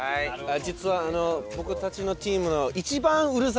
実は僕たちのチームの。